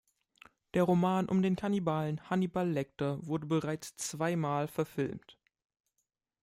Der Roman um den Kannibalen Hannibal Lecter wurde bereits zweimal verfilmt.